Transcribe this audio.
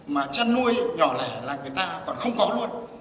mà chăn nuôi nhỏ lẻ là người ta còn không có luôn